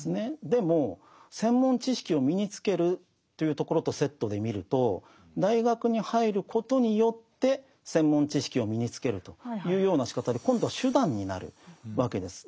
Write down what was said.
でも専門知識を身につけるというところとセットで見ると大学に入ることによって専門知識を身につけるというようなしかたで今度は手段になるわけです。